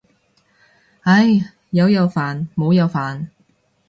唉，有又煩冇又煩。